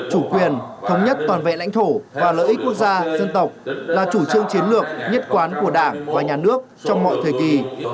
chủ quyền thống nhất toàn vẹn lãnh thổ và lợi ích quốc gia dân tộc là chủ trương chiến lược nhất quán của đảng và nhà nước trong mọi thời kỳ